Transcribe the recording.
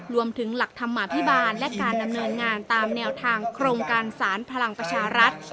หลักธรรมาภิบาลและการดำเนินงานตามแนวทางโครงการสารพลังประชารัฐ